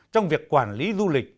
trong việc quản lý du lịch